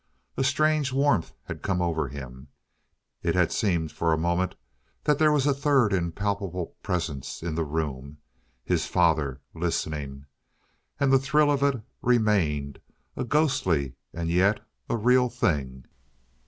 A strange warmth had come over him. It had seemed for a moment that there was a third impalpable presence in the room his father listening. And the thrill of it remained, a ghostly and yet a real thing.